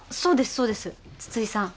そうです筒井さん